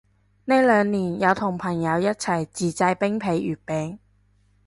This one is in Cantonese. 呢兩年有同朋友一齊自製冰皮月餅